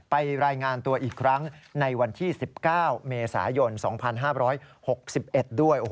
รายงานตัวอีกครั้งในวันที่๑๙เมษายน๒๕๖๑ด้วย